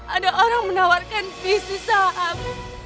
ada orang menawarkan bisnis saham